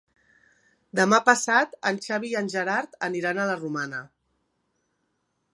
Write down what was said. Demà passat en Xavi i en Gerard aniran a la Romana.